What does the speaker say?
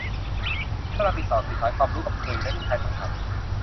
ฉันกำลังติดต่อสื่อสารความรู้กับเธออยู่นะ ลูกชายของฉัน